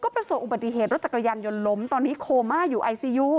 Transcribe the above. ประสบอุบัติเหตุรถจักรยานยนต์ล้มตอนนี้โคม่าอยู่ไอซียู